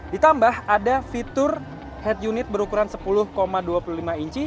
ditambah ada fitur head unit berukuran sepuluh dua puluh lima inci